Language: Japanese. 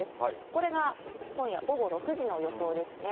これが今夜、午後６時の予想ですね。